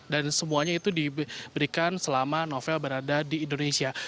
dan semuanya itu diberikan selama novel berada di indonesia